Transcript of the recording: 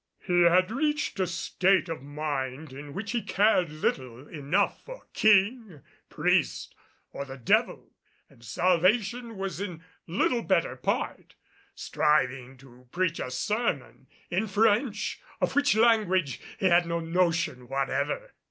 He had reached a state of mind in which he cared little enough for king, priest, or the devil, and Salvation was in little better part, striving to preach a sermon in French, of which language he had no notion whatever.